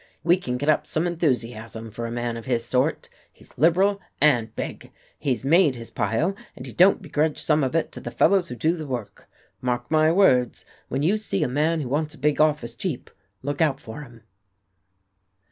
We can get up some enthusiasm for a man of his sort. He's liberal and big. He's made his pile, and he don't begrudge some of it to the fellows who do the work. Mark my words, when you see a man who wants a big office cheap, look out for him."